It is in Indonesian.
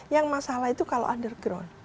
yang masalah itu kalau underground